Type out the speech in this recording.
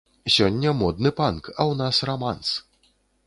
Сёння модны панк, а ў нас раманс.